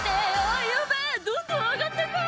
「あヤベェどんどん上がってく！」